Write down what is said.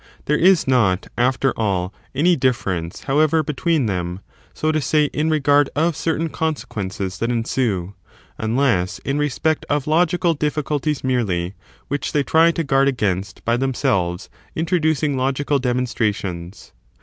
There is not, after all, any difference, however, 3 ,j^^ ^.^.^^ between them, so to say, in regard of certain con ence between sequences that ensue, imless in respect of logical S2erSS! difficulties merely, which they try to guard against, by themselves introducing logical demonstrations.